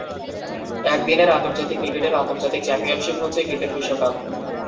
একদিনের আন্তর্জাতিক ক্রিকেটের আন্তর্জাতিক চ্যাম্পিয়নশীপ হচ্ছে ক্রিকেট বিশ্বকাপ।